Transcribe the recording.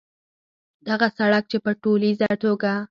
دغه سړک چې په ټولیزه توګه